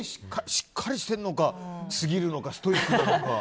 しっかりしているのかし過ぎているのかストイックなのか。